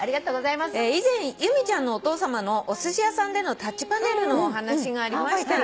以前由美ちゃんのお父さまのおすし屋さんでのタッチパネルのお話がありましたね」